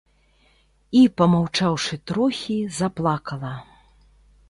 І, памаўчаўшы трохі, заплакала.